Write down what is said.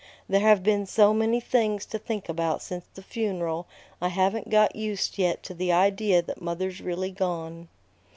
There have been so many things to think about since the funeral I haven't got used yet to the idea that mother's really gone."